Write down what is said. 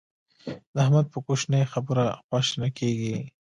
د احمد په کوشنۍ خبره خوا شنه کېږي.